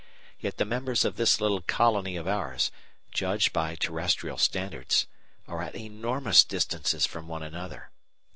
Yet the members of this little colony of ours, judged by terrestrial standards, are at enormous distances from one another.